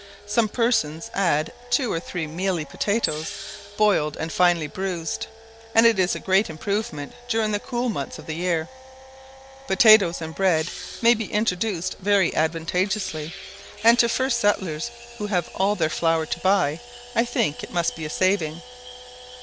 Some persons add two or three mealy potatoes boiled and finely bruised, and it is a great improvement during the cool months of the year. Potatoes in bread may be introduced very advantageously; and to first settlers, who have all their flour to buy, I think it must be a saving.